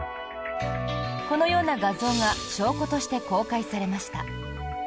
このような画像が証拠として公開されました。